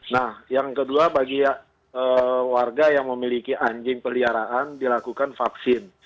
nah yang kedua bagi warga yang memiliki anjing peliharaan dilakukan vaksin